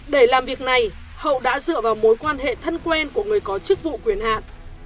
để làm việc này hậu đã dựa vào mối quan hệ thân quen của người có chức vụ quyền hạn